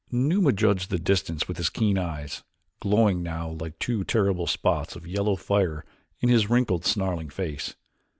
Numa judged the distance with his keen eyes, glowing now like two terrible spots of yellow fire in his wrinkled, snarling face.